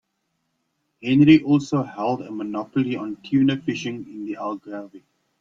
Henry also held a monopoly on tuna fishing in the Algarve.